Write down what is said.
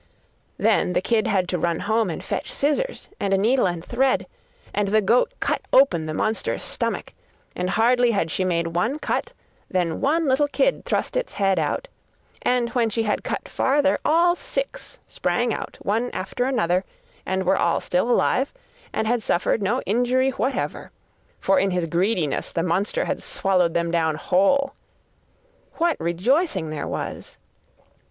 Then the kid had to run home and fetch scissors, and a needle and thread, and the goat cut open the monster's stomach, and hardly had she made one cut, than one little kid thrust its head out, and when she had cut farther, all six sprang out one after another, and were all still alive, and had suffered no injury whatever, for in his greediness the monster had swallowed them down whole. What rejoicing there was!